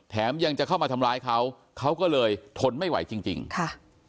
ยังจะเข้ามาทำร้ายเขาเขาก็เลยทนไม่ไหวจริงจริงค่ะ